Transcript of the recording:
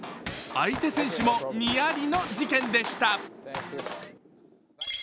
相手選手もにやりの事件でした。